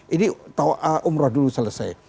ini umroh dulu selesai